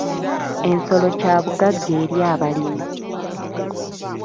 Ensolo kyabugagga eri abalimi.